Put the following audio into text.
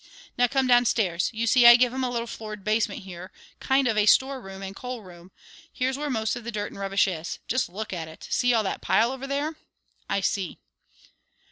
"Now come downstairs. You see I give 'em a little floored basement, here; kind of a storeroom and coalroom. Here's where most of the dirt and rubbish is. Just look at it! See all that pile over there?" "I see."